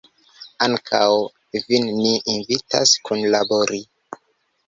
Ankaŭ vin ni invitas kunlabori!